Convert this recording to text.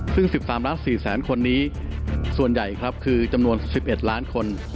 ซึ่ง๑๓ล้าน๔แสนคนนี้ส่วนใหญ่ครับคือจำนวน๑๑ล้านคน